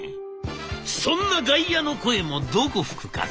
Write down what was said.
そんな外野の声もどこ吹く風。